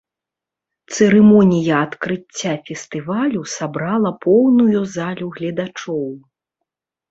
Цырымонія адкрыцця фестывалю сабрала поўную залю гледачоў.